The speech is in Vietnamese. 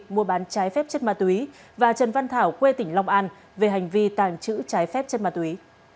mua bán trái phép chất ma túy và trần văn thảo quê tỉnh long an về hành vi tàng trữ trái phép chất ma túy